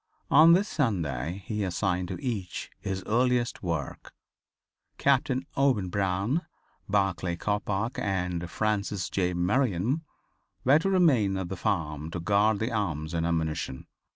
On this Sunday he assigned to each his earliest work. Captain Owen Brown, Barclay Coppoc and Francis J. Merriam were to remain at the farm to guard the arms and ammunition.